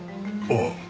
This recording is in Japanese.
ああ。